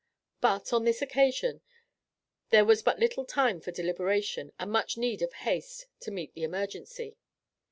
But, on this occasion, there was but little time for deliberation, but much need of haste to meet the emergency.